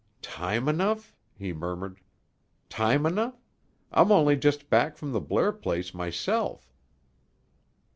"Time enough?" he murmured. "Time enough? I'm only just back from the Blair place myself."